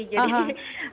jadi kolak ada